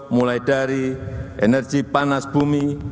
mulai dari energi panas bumi